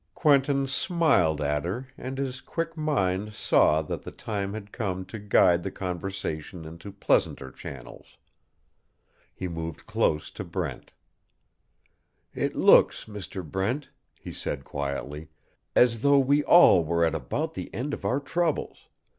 Quentin smiled at her and his quick mind saw that the time had come to guide the conversation into pleasanter channels. He moved close to Brent. "It looks, Mr. Brent," he said, quietly, "as though we all were at about the end of our troubles.